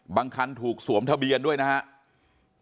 คันถูกสวมทะเบียนด้วยนะครับ